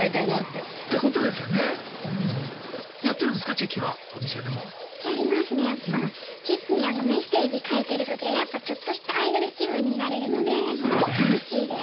チェキにメッセージ書いてる時はやっぱちょっとしたアイドル気分になれるので楽しいです。